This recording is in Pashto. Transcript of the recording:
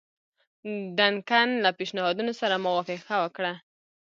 ډنکن له پېشنهادونو سره موافقه وکړه.